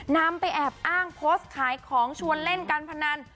นำไปแอบอ้างโพสต์ขายของชวนเล่นการพนัน